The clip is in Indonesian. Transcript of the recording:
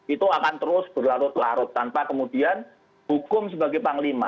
itu akan terus berlarut larut tanpa kemudian hukum sebagai panglima